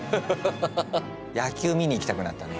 野球見に行きたくなったね。